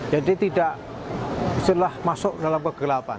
jadi tidak masuk kegelapan